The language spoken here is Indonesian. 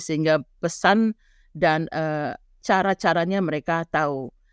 sehingga pesan dan cara caranya mereka tahu